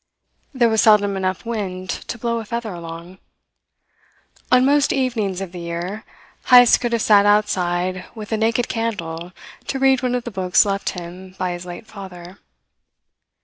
There was seldom enough wind to blow a feather along. On most evenings of the year Heyst could have sat outside with a naked candle to read one of the books left him by his late father.